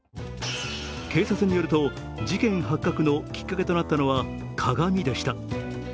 警察によると事件発覚のきっかけとなったのは鏡でした。